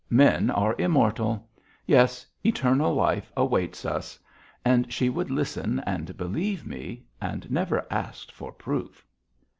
Men are immortal. Yes, eternal life awaits us." And she would listen and believe me and never asked for proof.